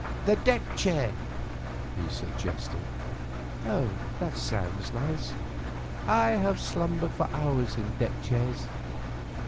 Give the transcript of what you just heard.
"The deck chair," he suggested. "That sounds nice. I have slumbered for hours in deck chairs.